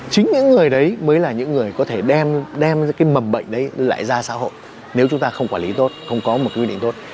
chính những người đấy mới là những người có thể đem cái mầm bệnh đấy lại ra xã hội nếu chúng ta không quản lý tốt không có một quy định tốt